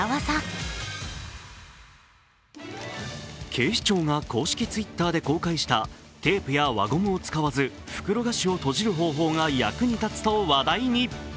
警視庁が公式Ｔｗｉｔｔｅｒで公開したテープや輪ゴムを使わず袋菓子を閉じる方法が役に立つと話題に。